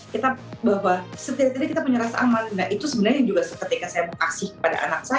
kita bahwa setiap hari kita punya rasa aman nah itu sebenarnya juga seketika saya berkasih pada anak saya kan